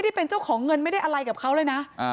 ที่เป็นเจ้าของเงินไม่ได้อะไรกับเขาเลยนะ